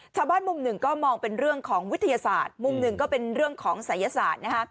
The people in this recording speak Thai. ชาวบ้านมุมหนึ่งก็มองเป็นเรื่องของวิทยาศาสตร์มุมหนึ่งก็เป็นเรื่องของศัยศาสตร์นะคะ